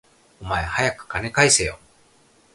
お前、はやく金返せよ